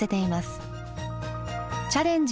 「チャレンジ！